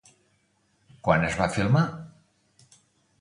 Quan es va filmar?